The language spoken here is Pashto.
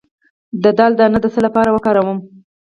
د دال دانه د څه لپاره وکاروم؟